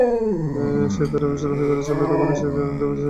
সে থেরাপিও শুরু করেছিল, তখনই সে অ্যান্টিডিপ্রেসেন্ট খাওয়া শুরু করে, স্যার।